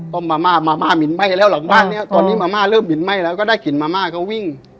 มาม่ามาม่าหมินไหม้แล้วหลังบ้านเนี้ยตอนนี้มาม่าเริ่มหินไหม้แล้วก็ได้กลิ่นมาม่าเขาวิ่ง